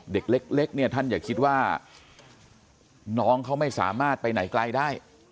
เด็กเล็กเนี่ยท่านอย่าคิดว่าน้องเขาไม่สามารถไปไหนไกลได้